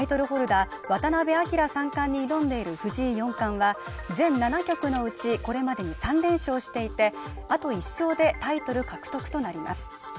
ホルダー渡辺明三冠に挑んでいる藤井四冠は全７局のうちこれまでに３連勝していてあと１勝でタイトル獲得となります